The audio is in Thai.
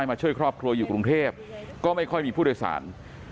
มาช่วยครอบครัวอยู่กรุงเทพก็ไม่ค่อยมีผู้โดยสาร